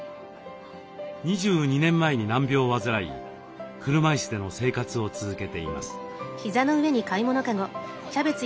２２年前に難病を患い車いすでの生活を続けています。